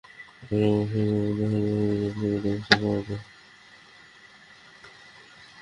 পরে অবশ্য এদের মধ্যে হাজার হাজার জনকে মৃত অবস্থায় পাওয়া যায়।